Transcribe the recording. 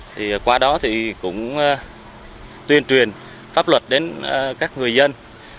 thì qua đó thì cũng tuyên truyền pháp luật đến các người dân